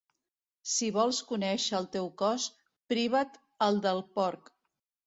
Si vols conèixer el teu cos, priva't el del porc.